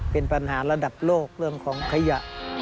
เป็นปัญหาระดับโลกเรื่องของขยะ